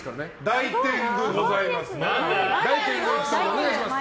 大天狗ございます。